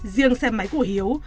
riêng xe máy của hiếu